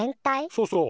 そうそう。